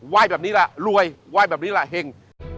ยแบบนี้ล่ะรวยไหว้แบบนี้ล่ะเห็ง